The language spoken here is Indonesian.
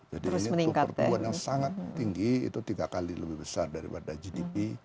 jadi ini pertumbuhan yang sangat tinggi itu tiga kali lebih besar daripada gdp